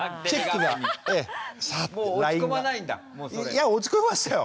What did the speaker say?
いや落ち込みましたよ。